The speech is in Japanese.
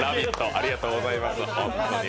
ありがうございます。